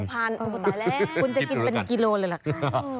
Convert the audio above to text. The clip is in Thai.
หนึ่งนี้การกินปันกิโลเลยละ